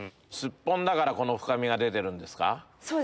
すっぽんだからこの深みが出てるんですか？